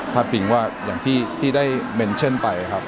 ปิงว่าอย่างที่ได้เมนเช่นไปครับ